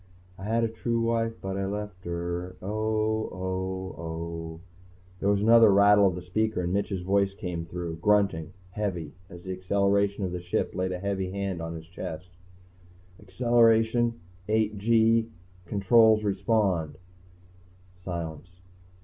I had a true wife but I left her ... oh, oh, oh. There was another rattle of the speaker, and Mitch's voice came through, grunting, heavy, as the acceleration of the Ship laid a heavy hand on his chest. "Acceleration ... eight gee ... controls respond." Silence.